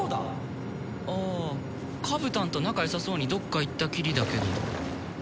ああカブタンと仲良さそうにどっか行ったきりだけど。